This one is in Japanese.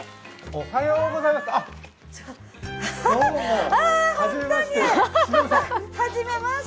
おはようございます。